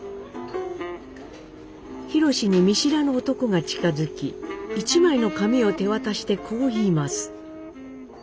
宏に見知らぬ男が近づき一枚の紙を手渡してこう言います。